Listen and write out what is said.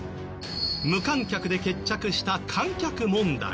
無観客で決着した観客問題。